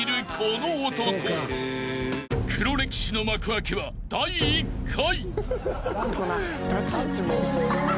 ［黒歴史の幕開けは第１回］